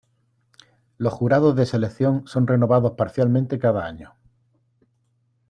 Los jurados de selección son renovados parcialmente cada año.